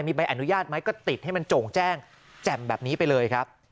มีใบอนุญาตไหมก็ติดให้มันโจ่งแจ้งแจ่มแบบนี้ไปเลยครับ